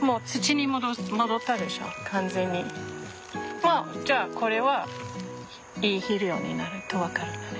もうじゃあこれはいい肥料になると分かるよね。